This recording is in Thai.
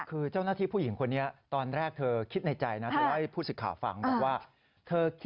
คือเจ้าหน้าที่ผู้หญิงคนนี้ตอนแรก